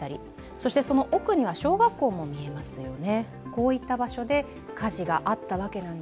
そしてその奥には小学校も見えますよね。